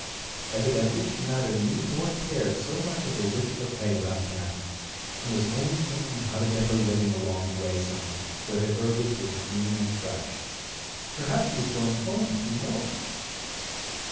Evidently she neither knew nor cared so much as a wisp of hay about Cadmus, and was only thinking how to get her living along the wayside, where the herbage was green and fresh. Perhaps she was going home to be milked.